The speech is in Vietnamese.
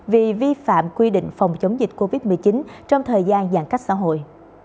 vì vi phạm quy định phòng chống dịch covid một mươi chín trong thời gian giãn cách xã hội